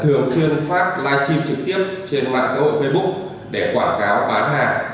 thường xuyên phát live stream trực tiếp trên mạng xã hội facebook để quảng cáo bán hàng